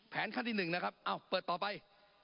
แผนขั้นที่หนึ่งนะครับอ้าวเปิดต่อไป